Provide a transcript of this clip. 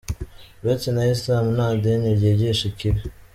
Uretse na Islam nta dini ryigisha ikibi ”.